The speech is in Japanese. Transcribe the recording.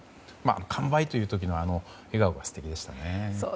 完売という時の笑顔が素敵でしたね。